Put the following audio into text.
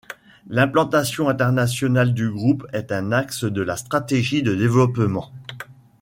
L’implantation internationale du groupe est un axe de la stratégie de développement.